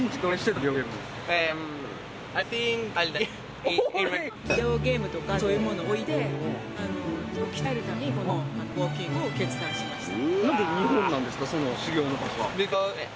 ビデオゲームとかそういうものを置いて自分を鍛えるためにこのウオーキングを決断しました。